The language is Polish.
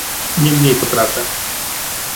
Niemniej to prawda